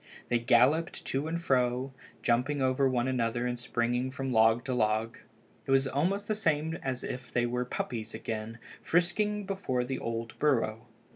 They galloped to and fro, jumping over one another and springing from log to log. It was almost the same as if they were puppies again, frisking before the old burrow.